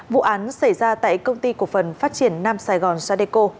vụ án xảy ra tại công ty cổ phần phát triển nam sài gòn sadeco